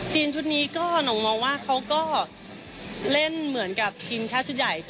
ชุดนี้ก็หน่งมองว่าเขาก็เล่นเหมือนกับทีมชาติชุดใหญ่